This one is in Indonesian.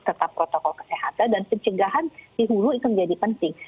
tetap protokol kesehatan dan pencegahan dihulu itu menjadi penting